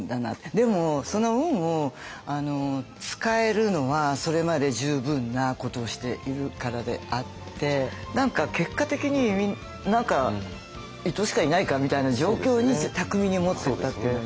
でもその運を使えるのはそれまで十分なことをしているからであって何か結果的に「伊藤しかいないか」みたいな状況に巧みに持ってったって。